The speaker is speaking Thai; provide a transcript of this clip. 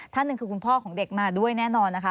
ท่านหนึ่งคือคุณพ่อของเด็กมาด้วยแน่นอนนะคะ